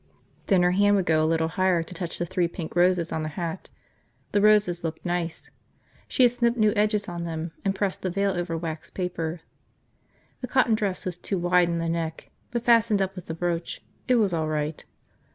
Then her hand would go a little higher to touch the three pink roses on the hat. The roses looked nice. She had snipped new edges on them and pressed the veil over wax paper. The cotton dress was too wide in the neck, but fastened up with the brooch, it was all right.